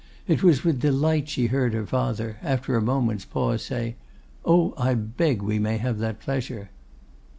It was with delight she heard her father, after a moment's pause, say, 'Oh! I beg we may have that pleasure.